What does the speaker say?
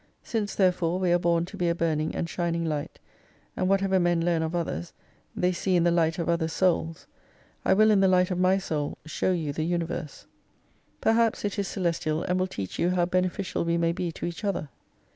Since there fore we are born to be a burning and shining light, and whatever men learn of others, they see in the light of others' souls : I will in the light of my soul show you the Universe. Perhaps it is celestial, and will teach you how beneficial we may be to each other.